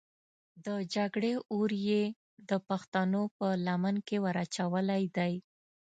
د جګړې اور یې د پښتنو په لمن کې ور اچولی دی.